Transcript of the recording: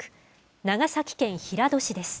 長崎県平戸市です。